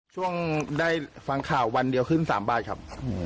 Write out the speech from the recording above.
ช่วงได้ฟังข่าววันเดียวขึ้น๓บาทครับ